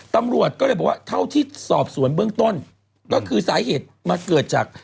ตำรวจก็เลยบอกว่าเท่าที่สอบสวนเบื้องต้นก็คือสาเหตุมาเกิดจาก